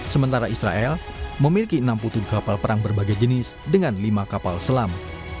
sementara israel memiliki enam puluh tujuh kapal perang berbagai jenis dengan lima kapal selam